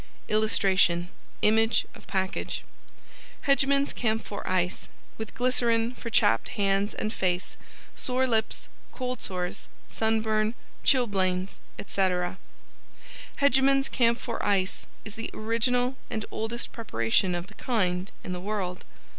[Illustration: Image of package.] HEGEMAN'S CAMPHOR ICE with Glycerine, for Chapped Hands and Face, Sore Lips, Cold Sores, Sunburn, Chilblains, Etc. Hegeman's Camphor Ice is the original and oldest preparation of the kind in the world.